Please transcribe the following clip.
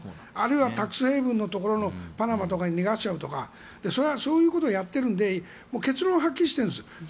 タックス・ヘイブンのパナマとかに逃がしちゃうとかそういうことをやっているので結論ははっきりしているんです。